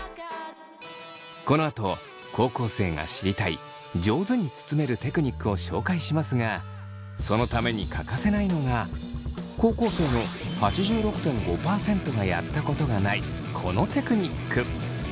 このあと高校生が知りたい上手に包めるテクニックを紹介しますがそのために欠かせないのが高校生の８６．５％がやったことがないこのテクニック。